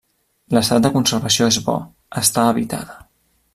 L'estat de conservació és bo, està habitada.